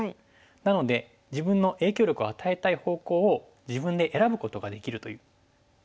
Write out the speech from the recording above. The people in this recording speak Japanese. なので自分の影響力を与えたい方向を自分で選ぶことができるという利点があるんですね。